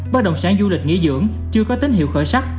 bất động sản du lịch nghỉ dưỡng chưa có tín hiệu khởi sắc